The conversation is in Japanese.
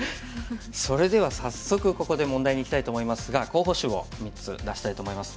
それでは早速ここで問題にいきたいと思いますが候補手を３つ出したいと思います。